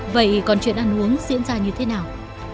vậy còn chuyện ăn uống diễn ra như thế nào